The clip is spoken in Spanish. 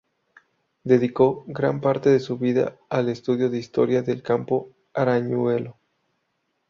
Dedicó, gran parte de su vida, al estudio de la historia del Campo Arañuelo.